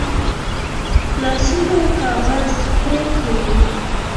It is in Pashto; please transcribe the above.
لاسونه کاغذ پرې کوي